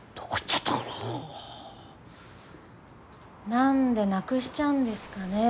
何でなくしちゃうんですかね